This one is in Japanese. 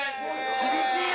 厳しいよ！